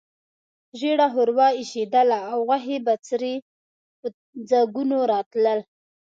ژېړه ښوروا اېشېدله او غوښې بڅري په ځګونو راتلل.